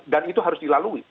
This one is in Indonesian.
dan itu harus dilalui